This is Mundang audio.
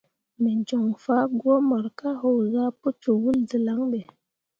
Me joŋ fah gwǝ mor ka haozah pǝ cok wul dǝlaŋ ɓe.